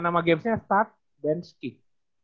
nama gamesnya start bench kick